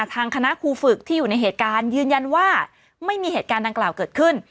ทางคณะครูฝึกที่อยู่ในเหตุการณ์ยืนยันว่าไม่มีเหตุการณ์ดังกล่าวเกิดขึ้น